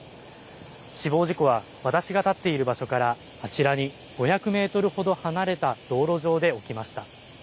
死亡事故は、私が立っている場所から、あちらに５００メートルほど離れた道路上で起きました。